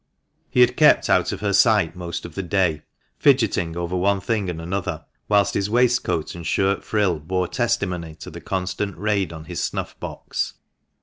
He had kept out of her sight most of the day, fidgeting over one thing and another, whilst his waistcoat and shirt frill bore testimony to the constant raid on his snuff box.